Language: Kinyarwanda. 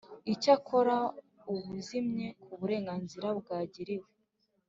Icyakora ubuzimye ku burenganzira bwagiriwe